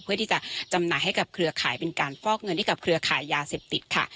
เพื่อที่จะจำหน่ายให้กับเครือข่ายเป็นการฟอกเงินให้กับเครือขายยาเสพติดค่ะ